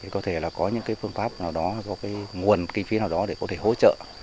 có thể là có những phương pháp nào đó có nguồn kinh phí nào đó để có thể hỗ trợ